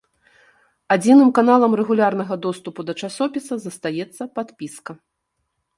Адзіным каналам рэгулярнага доступу да часопіса застаецца падпіска.